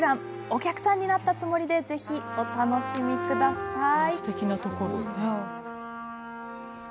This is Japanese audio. お客さんになったつもりで、お楽しみください。